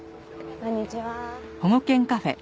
こんにちは。